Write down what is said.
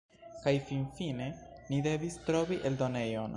Kaj finfinfine ni devis trovi eldonejon.